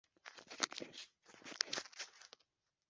ntumbwire, mu mubabaro,